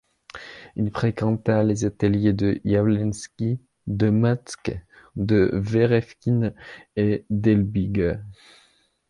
Il fréquenta les ateliers de Jawlensky, de Macke, de Verefkin et d'Helbig.